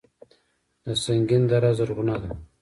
د سنګین دره زرغونه ده